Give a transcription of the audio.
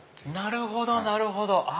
なるほどなるほど。